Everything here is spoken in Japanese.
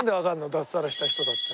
脱サラした人だって。